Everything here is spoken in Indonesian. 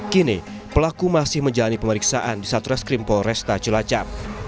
kini pelaku masih menjalani pemeriksaan di satreskrim polresta cilacap